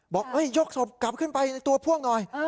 บอกยกศพกลับขึ้นไปตัวพ่วงหน่อย